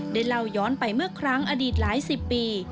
ได้เล่าย้อนไปเมื่อครั้งอดีตหลายสิบปี